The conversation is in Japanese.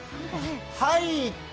はい！